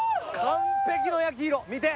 完璧の焼き色見て！